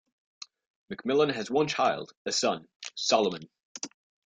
McMillan has one child, a son, Solomon.